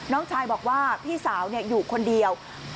น้องชายบอกว่าพี่สาวอยู่คนเดียว